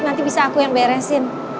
nanti bisa aku yang beresin